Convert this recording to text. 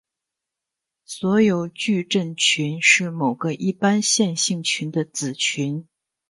所有矩阵群是某个一般线性群的子群。